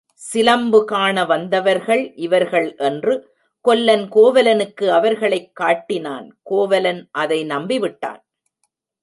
சிலம்பு காண வந்தவர்கள் இவர்கள் என்று கொல்லன் கோவலனுக்கு அவர்களைக் காட்டினான் கோவலன் அதை நம்பிவிட்டான்.